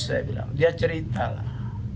saya bilang dia cerita lah